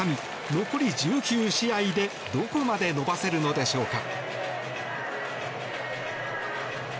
残り１９試合でどこまで伸ばせるのでしょうか。